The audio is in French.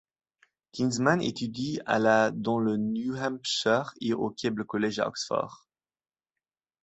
Kinsman étudie à la dans le New Hampshire et au Keble College, à Oxford.